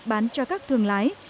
bán cho các thương lái